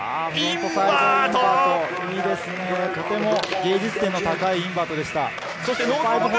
芸術点の高いインバートでした。